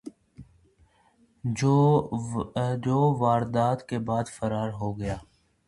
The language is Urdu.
جو واردات کے بعد فرار ہو گیا